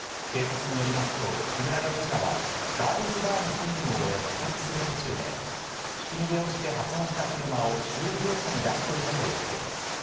警察によりますと、木村容疑者は、ガールズバーの勤務を終え、帰宅する途中で、ひき逃げをして破損した車を修理業者に出していたということです。